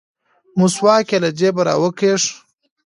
مسواک يې له جيبه راوکيښ.